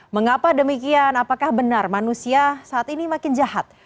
mengapa demikian apakah benar manusia saat ini makin jahat